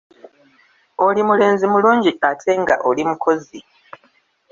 Oli mulenzi mulungi ate nga oli mukozi.